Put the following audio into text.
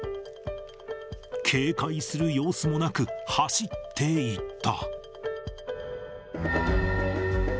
警戒する様子もなく、走っていった。